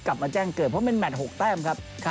กลับมาแจ้งเกิดเพราะว่ามันแมตต์๖เต้มครับ